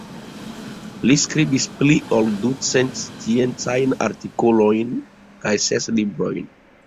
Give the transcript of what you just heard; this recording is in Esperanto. Li skribis pli ol du cent sciencajn artikolojn kaj ses librojn.